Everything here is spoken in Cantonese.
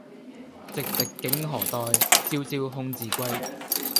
寂寂竟何待，朝朝空自歸。